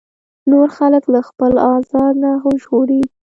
نور خلک له خپل ازار نه وژغوري.